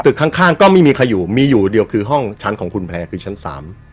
ข้างข้างก็ไม่มีใครอยู่มีอยู่เดียวคือห้องชั้นของคุณแพร่คือชั้นสาม